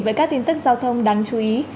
với các tin tức giao thông đáng chú ý